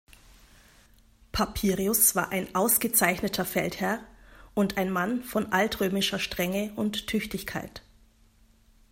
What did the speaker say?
Papirius war ein ausgezeichneter Feldherr und ein Mann von altrömischer Strenge und Tüchtigkeit.